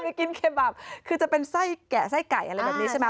จะกินเคบับคือจะเป็นไส้แกะไส้ไก่อะไรแบบนี้ใช่ไหม